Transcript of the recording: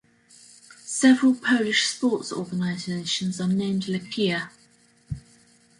Several Polish sports organizations are named Lechia.